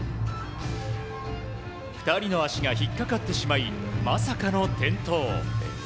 ２人の足が引っかかってしまいまさかの転倒。